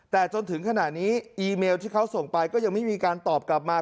แต่จนถึงขณะนี้อีเมลที่เขาส่งไปก็ยังไม่มีการตอบกลับมา